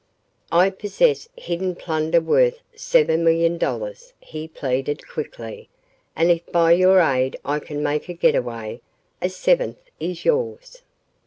"I possess hidden plunder worth seven million dollars," he pleaded quickly, "and if by your aid I can make a getaway, a seventh is yours."